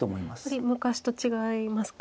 やっぱり昔と違いますか。